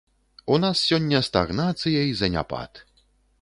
У нас сёння стагнацыя і заняпад.